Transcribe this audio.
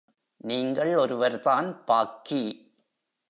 நீங்கள் ஒருவர்தான் பாக்கி.